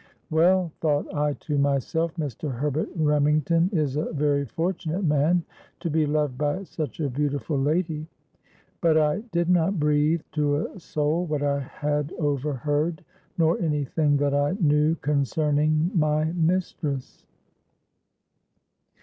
'—'Well,' thought I to myself, 'Mr. Herbert Remington is a very fortunate man to be loved by such a beautiful lady.' But I did not breathe to a soul what I had overheard, nor any thing that I knew concerning my mistress.